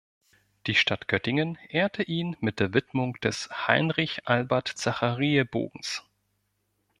Die Stadt Göttingen ehrte ihn mit der Widmung des Heinrich-Albert-Zachariä-Bogens.